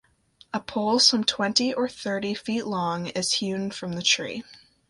A pole some twenty or thirty feet long is hewn from the tree.